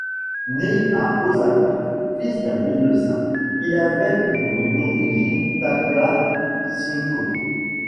Né à Osaka, fils d'un médecin, il avait pour nom d'origine Taga Shinkō.